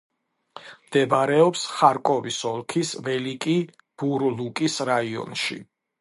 მდებარეობს ხარკოვის ოლქის ველიკი-ბურლუკის რაიონში.